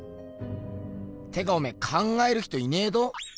てかおめぇ「考える人」いねえど。